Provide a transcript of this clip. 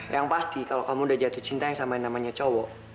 yang pasti kalau kamu udah jatuh cinta sama yang namanya cowok